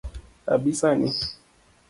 Abi sani?